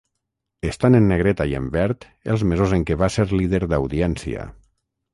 Estan en negreta i en verd els mesos en què va ser líder d'audiència.